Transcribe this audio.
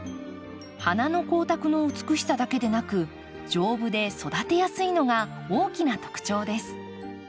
花の光沢の美しさだけでなく丈夫で育てやすいのが大きな特徴です。